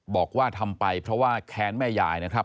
บอกว่าทำไปเพราะว่าแค้นแม่ยายนะครับ